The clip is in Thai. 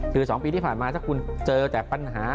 คือ๒ปีที่ผ่านมาถ้าคุณเจอแต่ปัญหา